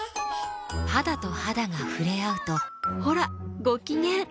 肌と肌が触れ合うとほらごきげん！